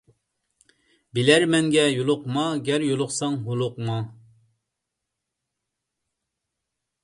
بىلەرمەنگە يولۇقما، گەر يولۇقساڭ ھولۇقما.